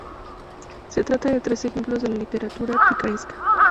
Se trata de tres ejemplos de la literatura picaresca.